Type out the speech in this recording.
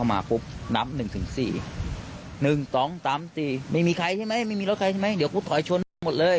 ฟังเสียงพี่กันหน่อยค่ะ